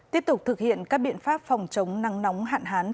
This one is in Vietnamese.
tiếp tục thực hiện các biện pháp phòng chống nắng nóng hạn hán